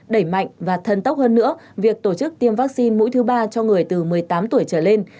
đẩy mạnh và thân tốc hơn nữa việc tổ chức tiêm vaccine mũi thứ ba cho người từ một mươi tám tuổi trở lên